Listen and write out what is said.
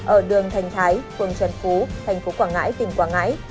ở đường thành thái phường trần phú thành phố quảng ngãi tỉnh quảng ngãi